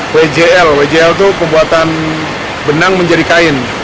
wjl wjl itu pembuatan benang menjadi kain